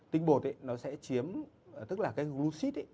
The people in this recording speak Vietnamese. tinh bột nó sẽ chiếm tức là cái grexit ấy